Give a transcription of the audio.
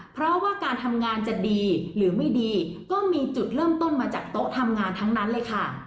เพราะว่าการทำงานจะดีหรือไม่ดีก็มีจุดเริ่มต้นมาจากโต๊ะทำงานทั้งนั้นเลยค่ะ